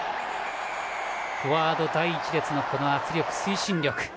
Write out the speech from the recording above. フォワード第１列の圧力、推進力。